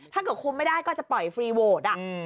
ถ้าเกิดคุมไม่ได้ก็จะปล่อยฟรีโวทย์